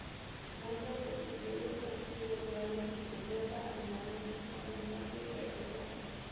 Muestras posteriores han sido halladas en Inglaterra, Alemania, España, Francia y Países Bajos.